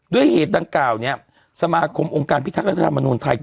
ด้วยเหตุดังเก่าเนี้ยสมาคมองค์การพิทักษ์พิทักษ์ได้มานุนไทไป